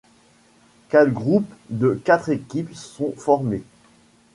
Quatre groupes de quatre équipes sont formés.